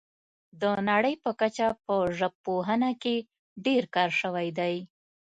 د نړۍ په کچه په ژبپوهنه کې ډیر کار شوی دی